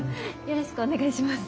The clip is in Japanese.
よろしくお願いします。